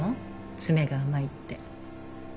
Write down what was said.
詰めが甘いって。